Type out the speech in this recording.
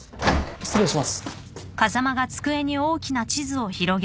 失礼します。